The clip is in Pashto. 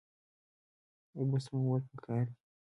اوبه سپمول پکار دي.